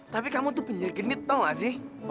tapi kamu tuh penyegenit tau gak sih